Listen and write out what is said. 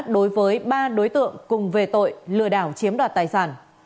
đối với ba đối tượng cùng về tội lừa đảo chiếm đoạt tài sản